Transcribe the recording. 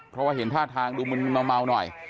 เพราะว่าเห็นท่าทางดูมึนเมาหน่อย